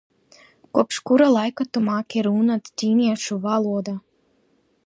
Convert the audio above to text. Kopš kura laika tu māki runāt ķīniešu valodā?